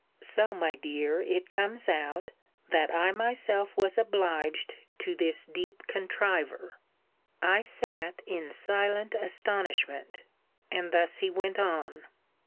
So, my dear, it comes out, that I myself was obliged to this deep contriver. I sat in silent astonishment; and thus he went on.